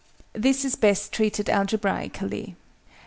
_ This is best treated algebraically.